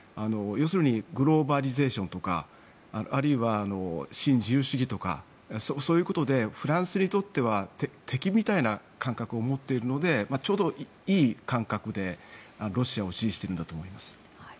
要するにグローバリゼーションとかあるいは新自由主義とかそういうことでフランスにとっては敵みたいな感覚を持っているのでちょうどいい感覚でロシアを支持しているんだと思います。